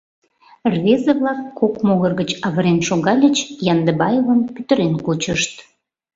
Рвезе-влак кок могыр гыч авырен шогальыч, Яндыбаевым пӱтырен кучышт.